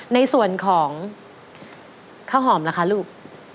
ในส่วนของข้าวหอมล่ะคะลูก